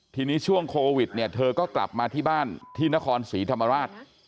ทีนี้ช่วงโควิดเนี่ยเธอก็กลับมาที่บ้านที่นครศรีธรรมราช